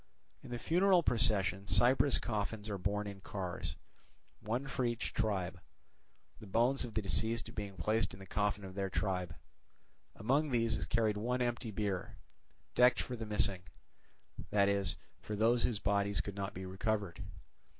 In the funeral procession cypress coffins are borne in cars, one for each tribe; the bones of the deceased being placed in the coffin of their tribe. Among these is carried one empty bier decked for the missing, that is, for those whose bodies could not be recovered.